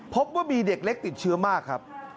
พบว่ามีเด็กเล็กติดเชื้อมากครับ